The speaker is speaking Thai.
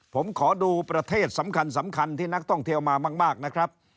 ผมขอดูประเทศสำคัญที่นักท่องเที่ยวมามากนะครับ